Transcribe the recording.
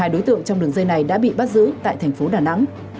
một mươi hai đối tượng trong đường dây này đã bị bắt giữ tại thành phố đà nẵng